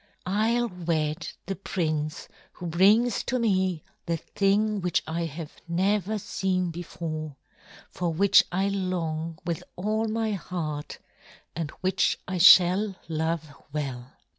"I'll wed the prince who brings to me the thing which I have never seen before, for which I long with all my heart, and which I shall love well."